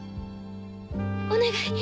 お願い！